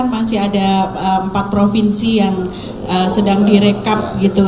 masih ada empat provinsi yang sedang direkap gitu